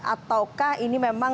ataukah ini memang